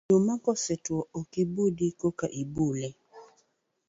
Oduma kosetwo ok ibudi koka ibule.